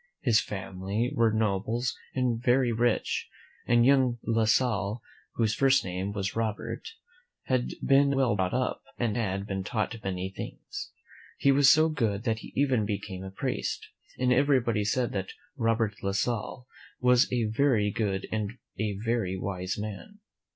His family were nobles and were very rich, and young La Salle, whose first name was Robert, had been well brought up, and had been taught many things. He was so good that he even became a priest, and everybody said that Robert La Salle was a very good and a very wise man.